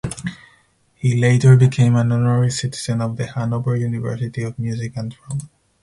He later became an honorary citizen of the Hanover University of Music and Drama.